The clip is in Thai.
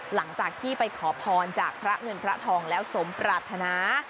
หลังจากที่ไปขอพรจากพระเงินพระทองแล้วสมปรารถนา